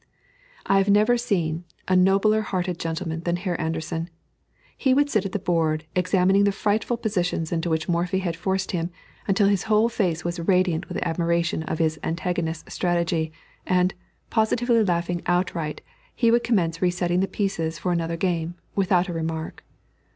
I have never seen a nobler hearted gentleman than Herr Anderssen. He would sit at the board, examining the frightful positions into which Morphy had forced him, until his whole face was radiant with admiration of his antagonist's strategy, and, positively laughing outright, he would commence resetting the pieces for another game, without a remark.